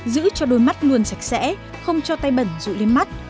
giữ cho đôi mắt luôn sạch sẽ không cho tay bẩn rụi lên mắt